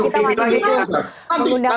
jadi kita masih diundang